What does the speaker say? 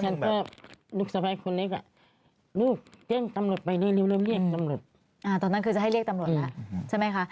นี่เพอลูกสร้างแรกต้อนให้เรียกตำรวจค่ะ